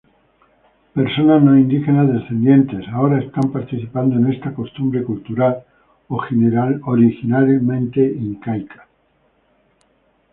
Personas no indígenas, descendientes, ahora están participando en esta costumbre cultural, originalmente Incaica.